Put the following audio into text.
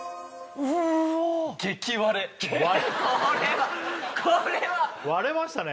うおおっこれはこれは！割れましたね